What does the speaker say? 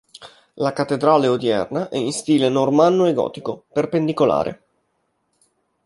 La cattedrale odierna è in stile normanno e gotico perpendicolare.